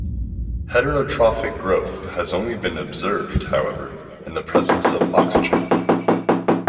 Heterotrophic growth has only been observed, however, in the presence of oxygen.